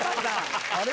あれ？